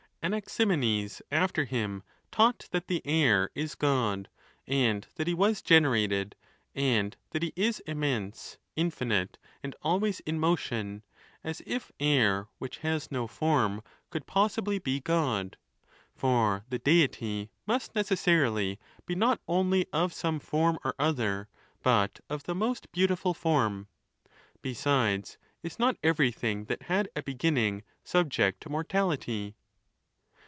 Anaximenes, after him, taught that the air is God, and that he was generated, and that he is immense, infinite, and always in motion ; as if air, which has no form, could possibly be God ; for the Deity must necessarily be not only of some form or other, but of the most beautiful form. Besides, is not everything that had a beginning subject to mortality?